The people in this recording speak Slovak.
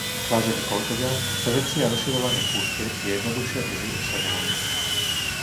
Vážení kolegovia, prevencia rozširovania púšte je jednoduchšia než jej odstraňovanie.